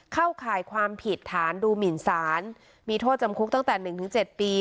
เข้าข่ายความผิดฐานดูหมินสารมีโทษจำคลุกตั้งแต่หนึ่งถึงเจ็ดปี